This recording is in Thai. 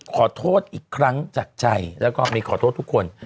ขอโทษอีกครั้งจากใจแล้วก็มีขอโทษทุกคน